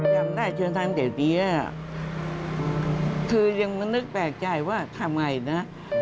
จำได้จนทั้งเด็กคือยังมันนึกแปลกใจว่าทำไมนะ